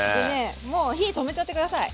もう火止めちゃって下さい。